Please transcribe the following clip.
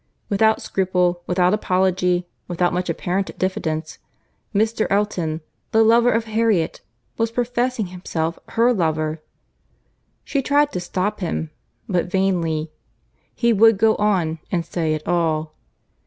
Without scruple—without apology—without much apparent diffidence, Mr. Elton, the lover of Harriet, was professing himself her lover. She tried to stop him; but vainly; he would go on, and say it all.